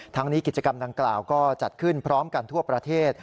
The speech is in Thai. ทั้งนี้กิจกรรมดังกล่าวก็จัดขึ้นพร้อมกันทั่วประเทศ